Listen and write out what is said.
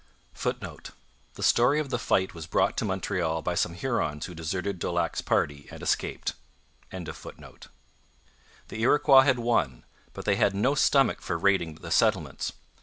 [Footnote: The story of the fight was brought to Montreal by some Hurons who deserted Daulac's party and escaped.] The Iroquois had won, but they had no stomach for raiding the settlements.